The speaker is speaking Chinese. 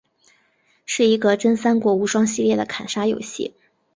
是一个真三国无双系列的砍杀游戏。